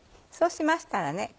そうしましたらね